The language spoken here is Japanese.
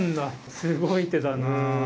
すごい手だな。